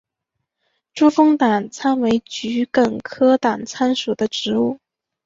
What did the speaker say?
珠峰党参为桔梗科党参属的植物。